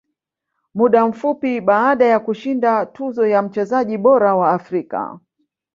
Muda mfupi baada ya kushinda tuzo ya mchezaji bora wa Afrika